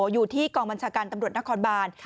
อยู่ที่กองบัญชาการตำรวจนครบาน